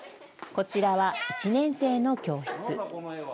こちらは１年生の教室。